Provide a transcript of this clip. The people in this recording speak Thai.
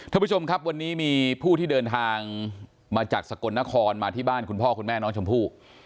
ท่านผู้ชมครับวันนี้มีผู้ที่เดินทางมาจากสกลนครมาที่บ้านคุณพ่อคุณแม่น้องชมพู่